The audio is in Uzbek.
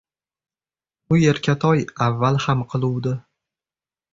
U erkatoy avval ham qiluvdi.